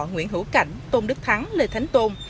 nguyễn hữu cảnh tôn đức thắng lê thánh tôn